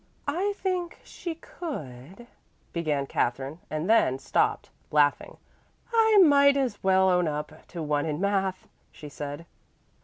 "I think she could " began Katherine, and then stopped, laughing. "I might as well own up to one in math.," she said.